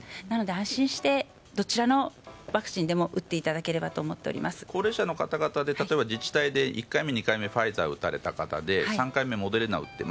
なので、安心してどちらのワクチンでも打っていただければと高齢者の方々で例えば自治体で１回目、２回目でファイザーを打たれた方で３回目モデルナを。